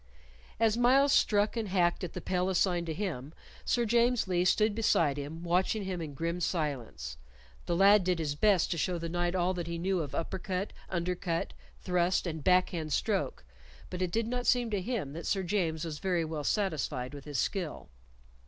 As Myles struck and hacked at the pel assigned to him, Sir James Lee stood beside him watching him in grim silence. The lad did his best to show the knight all that he knew of upper cut, under cut, thrust, and back hand stroke, but it did not seem to him that Sir James was very well satisfied with his skill.